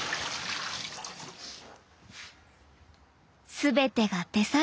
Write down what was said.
すべてが手作業。